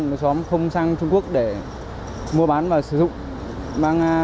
với xóm không sang trung quốc để mua bán và sử dụng